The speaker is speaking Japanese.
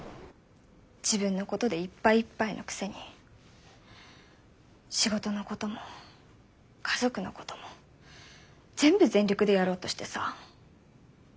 自分のことでいっぱいいっぱいのくせに仕事のことも家族のことも全部全力でやろうとしてさ。